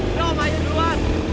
kita operainnya duluan